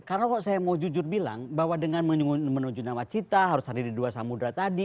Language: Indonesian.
karena kalau saya mau jujur bilang bahwa dengan menuju nawacita harus hadir di dua samudera tadi